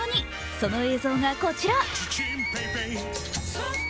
その映像がこちら。